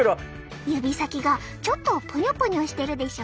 指先がちょっとプニョプニョしてるでしょ。